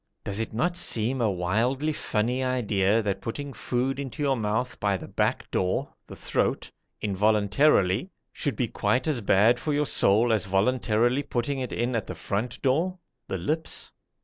Does it not seem a wildly funny idea that putting food into your mouth by the back door (the throat) involuntarily should be quite as bad for your soul as voluntarily putting it in at the front door (the lips)?